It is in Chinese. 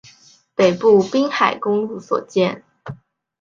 北部滨海公路所见